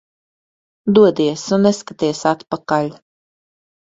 Dodies un neskaties atpakaļ.